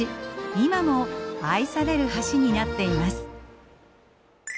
今も愛される橋になっています。